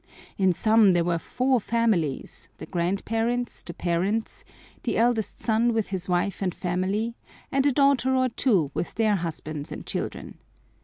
In some there were four families—the grand parents, the parents, the eldest son with his wife and family, and a daughter or two with their husbands and children.